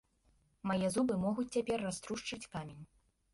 Мае зубы могуць цяпер раструшчыць камень.